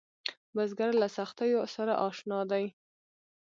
بزګر له سختیو سره اشنا دی